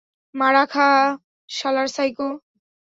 মারা খা, শালার সাইকো!